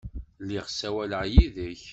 Lliɣ ssawaleɣ yid-k.